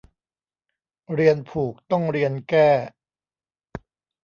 เรียนผูกต้องเรียนแก้